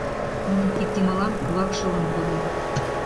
Нунын кид йымалан кулак шылын кодын.